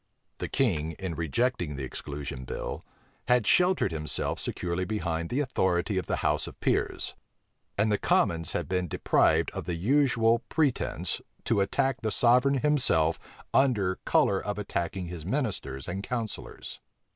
The king, in rejecting the exclusion bill, had sheltered himself securely behind the authority of the house of peers; and the commons had been deprived of the usual pretence, to attack the sovereign himself under color of attacking his ministers and counsellors.